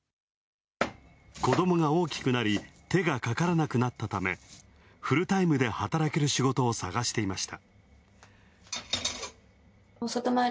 子供が大きくなり、手がかからなくなったためフルタイムで働ける仕事を探していました。